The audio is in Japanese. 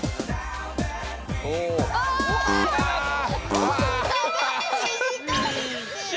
うわ！